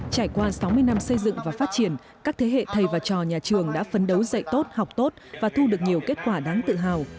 trải qua sáu mươi năm xây dựng và phát triển các thế hệ thầy và trò nhà trường đã phấn đấu dạy tốt học tốt và thu được nhiều kết quả đáng tự hào